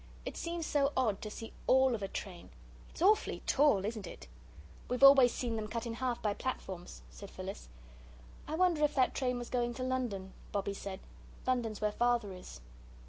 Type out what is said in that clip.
"It seems so odd to see ALL of a train. It's awfully tall, isn't it?" "We've always seen them cut in half by platforms," said Phyllis. "I wonder if that train was going to London," Bobbie said. "London's where Father is."